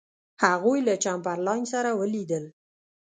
هغوی له چمبرلاین سره ولیدل.